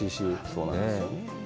そうなんですよ。